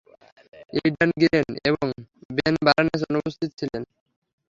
Aidan Gillen এবং Ben Barnes অনুপস্থিত ছিলেন।